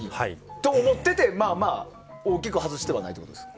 そう思っていて大きく外してはないってことですか。